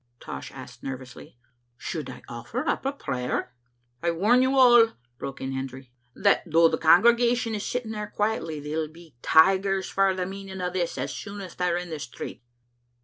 Tosh asked nervously. •* Should I oflEer up a prayer?" " I warn you all," broke in Hendry, "that though the congregation is sitting there quietly, they'll be tigers for the meaning o' this as soon as they're in the street.